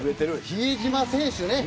比江島選手。